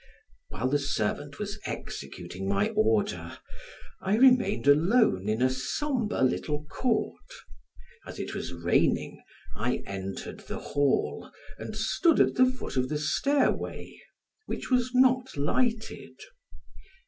While the servant was executing my order I remained alone in a somber little court; as it was raining, I entered the hall and stood at the foot of the stairway which was not lighted.